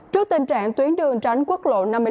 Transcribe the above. trước tình trạng tuyến đường tránh quốc lộ năm mươi năm